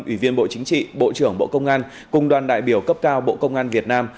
ủy viên bộ chính trị bộ trưởng bộ công an cùng đoàn đại biểu cấp cao bộ công an việt nam